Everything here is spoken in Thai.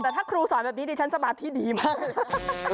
แต่ถ้าครูสอนแบบนี้ดิฉันสมาธิดีมาก